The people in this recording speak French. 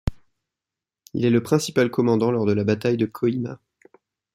Il est le principal commandant lors de la Bataille de Kohima.